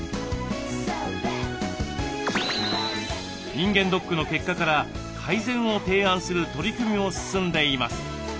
人間ドックの結果から改善を提案する取り組みも進んでいます。